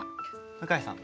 向井さん